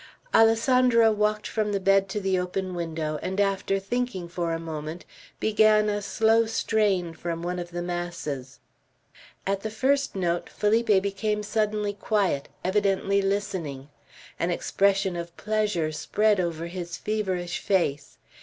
Alessandro walked from the bed to the open window, and after thinking for a moment, began a slow strain from one of the masses. At the first note, Felipe became suddenly quiet, evidently listening. An expression of pleasure spread over his feverish face.